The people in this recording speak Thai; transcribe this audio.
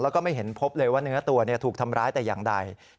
แล้วก็ไม่เห็นพบเลยว่าเนื้อตัวถูกทำร้ายแต่อย่างใด